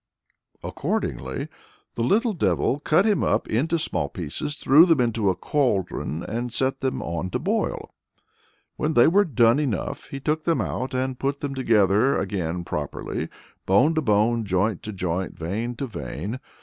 Accordingly "the little devil cut him up into small pieces, threw them into a cauldron and set them on to boil. When they were done enough, he took them out and put them together again properly bone to bone, joint to joint, vein to vein.